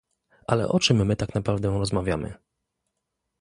Ale o czym my tak naprawdę rozmawiamy?